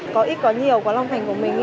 có ít có nhiều của lòng thành của mình